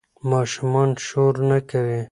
ماشومان شور نه کوي.